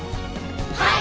はい！